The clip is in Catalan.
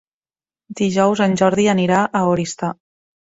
Dijous en Jordi anirà a Oristà.